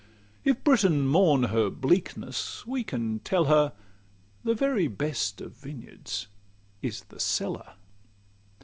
If Britain mourn her bleakness, we can tell her, The very best of vineyards is the cellar.